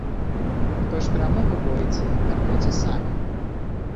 Хто ж перамог у бойцы, мяркуйце самі.